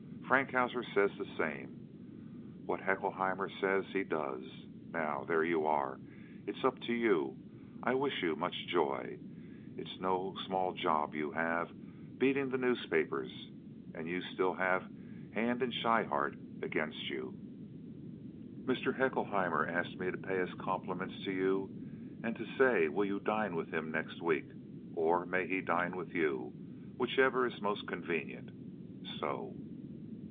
Frankhauser sess de same. Vot Haeckelheimer sess he doess. Now dere you are. It's up to you. I vish you much choy. It is no small chop you haff, beating de newspapers, unt you still haff Hant unt Schryhart against you. Mr. Haeckelheimer askt me to pay his complimends to you unt to say vill you dine vit him next veek, or may he dine vit you—vicheffer iss most conveniend. So."